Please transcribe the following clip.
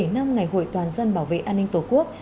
một mươi bảy năm ngày hội toàn dân bảo vệ an ninh tổ quốc